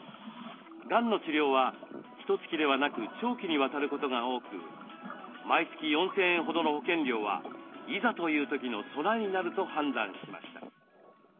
がんの治療はひとつきではなく長期にわたることが多く毎月４，０００円ほどの保険料はいざという時の備えになると判断しました。